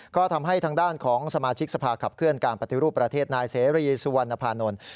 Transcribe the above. ก็ทำให้ทางด้านของสมาชิกสภาขับเคลื่อนการปฏิรูปประเทศนายเสรีสุวรรณภานนท์